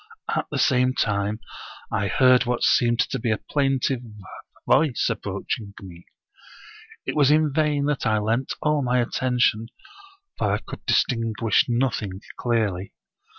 At the same time I heard what seemed to be a plaintive voice approaching me. It was in vain that I lent all my attention, for I could distinguish nothing clearly.